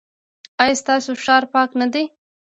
ایا ستاسو ښار پاک نه دی؟